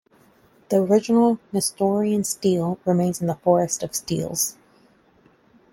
The original Nestorian Stele remains in the Forest of Steles.